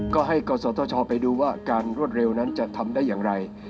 ก็ให้กศธชไปดูว่าการรวดเร็วนั้นจะทำได้อย่างไร